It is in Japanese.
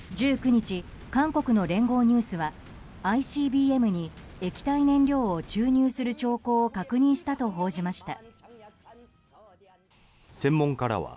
１９日、韓国の聯合ニュースはＩＣＢＭに液体燃料を注入する兆候を確認したと報じました。